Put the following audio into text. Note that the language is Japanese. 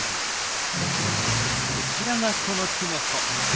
こちらがそのきのこ。